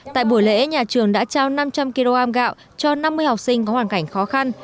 tại buổi lễ nhà trường đã trao năm trăm linh kg gạo cho năm mươi học sinh có hoàn cảnh khó khăn